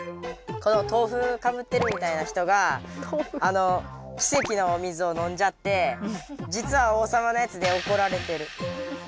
このとうふかぶってるみたいな人が奇跡のお水を飲んじゃってじつは王様のやつでおこられてる。